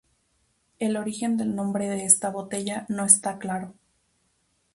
El origen del nombre de esta botella no está claro.